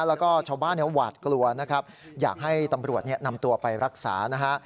แล้วก็ชาวบ้านหวาดกลัวนะครับอยากให้ตำรวจนำตัวไปรักษานะฮะ